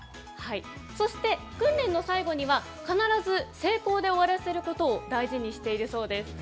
そして訓練の最後には必ず成功で終わらせることを大事にしているそうです。